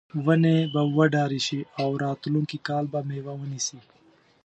ونې به وډارې شي او راتلونکي کال به میوه ونیسي.